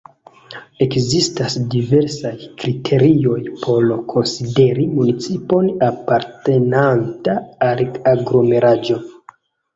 Ekzistas diversaj kriterioj por konsideri municipon apartenanta al aglomeraĵo.